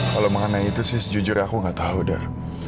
kalau mengenai itu sih sejujurnya aku nggak tahu dah